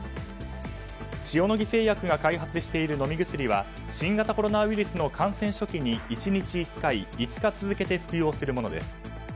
塩野義製薬が開発している飲み薬は新型コロナウイルスの感染初期に１日１回５日続けて服用するものです。